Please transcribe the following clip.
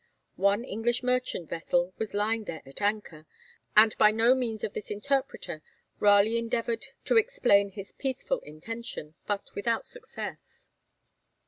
One English merchant vessel was lying there at anchor, and by means of this interpreter Raleigh endeavoured to explain his peaceful intention, but without success.